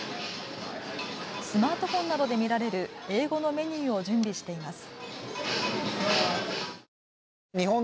スマートフォンなどで見られる英語のメニューを準備しています。